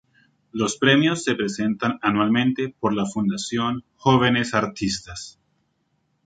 Los premios se presentan anualmente por la Fundación Jóvenes Artistas.